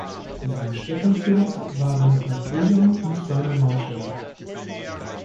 Sein Steckenpferd waren Napoleon und seine Marschälle.